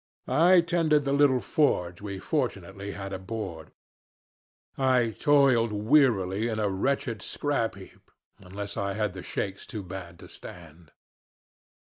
I tended the little forge we fortunately had aboard; I toiled wearily in a wretched scrap heap unless I had the shakes too bad to stand.